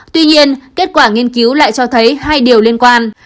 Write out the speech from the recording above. tuy nhiên kết quả nghiên cứu lại cho thấy hai điều liên quan